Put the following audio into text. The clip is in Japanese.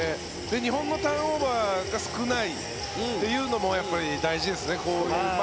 日本のターンオーバーが少ないというのも大事ですね。